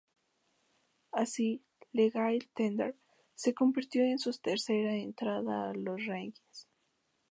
Así, "Legal Tender" se convirtió en su tercera entrada a los rankings.